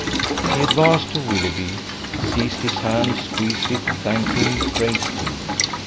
He advanced to Willoughby, seized his hand, squeezed it, thanked him, praised him.